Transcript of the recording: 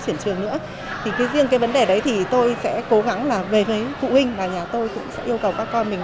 thì cái riêng cái vấn đề đấy thì tôi sẽ cố gắng là về với cụ huynh và nhà tôi cũng sẽ yêu cầu các con mình